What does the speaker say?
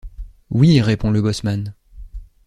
Oui, » répond le bosseman.